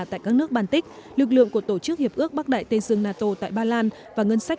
tại các nước baltic lực lượng của tổ chức hiệp ước bắc đại tây dương nato tại ba lan và ngân sách